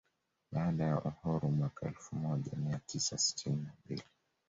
Baada ya uhuru mwaka elfu moja mia tisa sitini na mbili